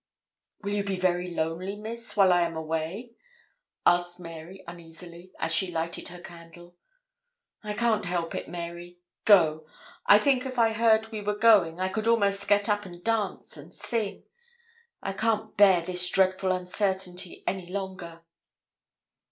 'Will you be very lonely, Miss, while I am away?' asked Mary, uneasily, as she lighted her candle. 'I can't help it, Mary. Go. I think if I heard we were going, I could almost get up and dance and sing. I can't bear this dreadful uncertainty any longer.'